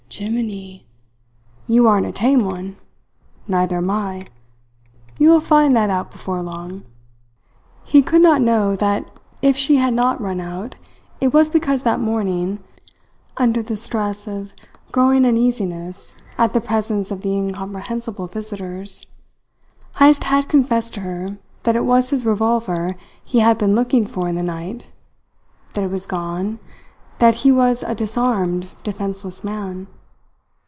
"Jee miny! You aren't a tame one. Neither am I. You will find that out before long." He could not know that if she had not run out, it was because that morning, under the stress of growing uneasiness at the presence of the incomprehensible visitors, Heyst had confessed to her that it was his revolver he had been looking for in the night; that it was gone, that he was a disarmed, defenceless man.